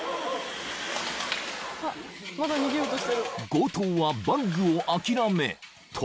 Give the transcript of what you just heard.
［強盗はバッグを諦め逃走］